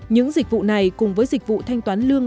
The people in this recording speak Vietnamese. những dịch vụ này cùng với dịch vụ thanh toán lương